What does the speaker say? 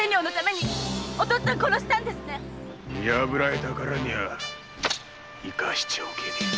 見破られたからにゃ生かしちゃおけねえな。